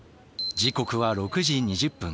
時刻は６時２０分。